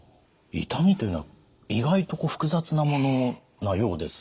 痛みというのは意外と複雑なものなようですね。